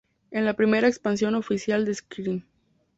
Es la primera expansión oficial de "Skyrim".